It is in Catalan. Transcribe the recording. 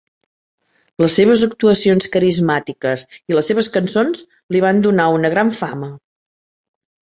Les seves actuacions carismàtiques i les seves cançons li van donar una gran fama.